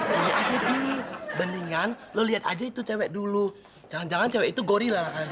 gini aja bebi mendingan lu liat aja itu cewek dulu jangan jangan cewek itu gorila kali